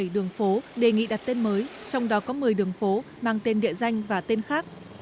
bảy mươi đường phố đề nghị đặt tên mới trong đó có một mươi đường phố mang tên địa danh và tên khác